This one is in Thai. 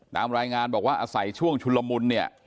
ตามรายงานบอกว่าอาศัยช่วงชุนละมุนเนี่ย